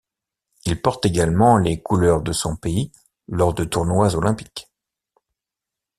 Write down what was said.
Il porte également les couleurs de son pays lors de tournois Olympiques.